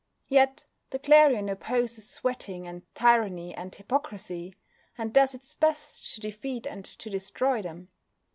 Yet the Clarion opposes sweating and tyranny and hypocrisy, and does its best to defeat and to destroy them.